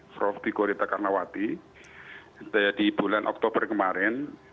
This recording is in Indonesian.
prof tigorita karnawati di bulan oktober kemarin